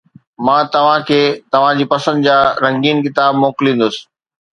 مان توهان کي توهان جي پسند جا رنگين ڪتاب موڪليندس